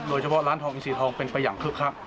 โดยเฉพาะร้านทองอินซีทองเป็นไปอย่างคึกคัก